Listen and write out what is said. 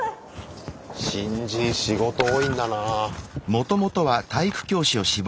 新人仕事多いんだな。